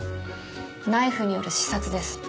ナイフによる刺殺です。